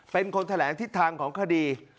เป็นคนแถลงทิศทางของคดี